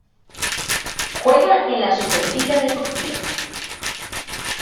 Juega en la Superliga de Turquía.